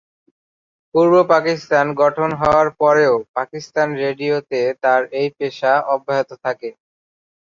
পূর্ব পাকিস্তান গঠন হওয়ার পরও পাকিস্তান রেডিও-তে তার এই পেশা অব্যাহত থাকে।